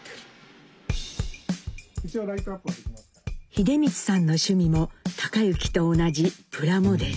英光さんの趣味も隆之と同じプラモデル。